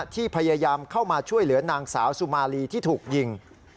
ที่พยายามเข้ามาช่วยเหลือนางสาวสุมาลีที่ถูกยิง